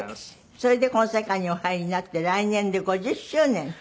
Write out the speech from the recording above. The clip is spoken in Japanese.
それでこの世界にお入りになって来年で５０周年。